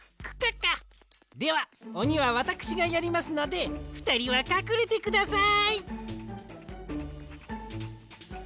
ではおにはわたくしがやりますのでふたりはかくれてください！